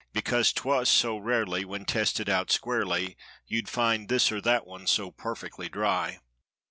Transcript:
Because 'twas so rarely, when tested out squarely. You'd find this or that one so perfectly dry.